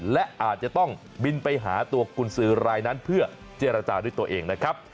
และอาจจะต้องบินไปหาตัวกุญสือรายนั้นเพื่อเจรจาด้วยตัวเองนะครับ